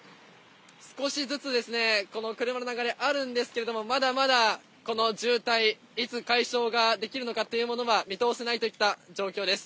少しずつ、車の流れあるんですけれども、まだまだこの渋滞、いつ解消ができるのかというものは、見通せないといった状況です。